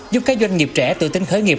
giúp các doanh nghiệp trẻ tự tính khởi nghiệp